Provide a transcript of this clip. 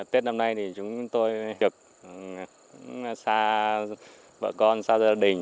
tết năm nay thì chúng tôi được xa bọn con xa gia đình